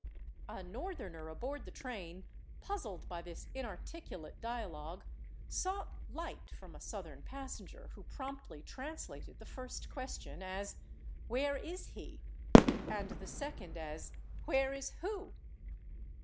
A Northerner aboard the train, puzzled by this inarticulate dialogue, sought light from a Southern passenger, who promptly translated the first question as "Where is he?" and the second as "Where is who?"